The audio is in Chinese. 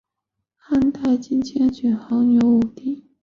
汉代今州境属牦牛羌地。